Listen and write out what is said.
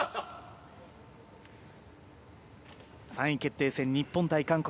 ３位決定戦、日本対韓国。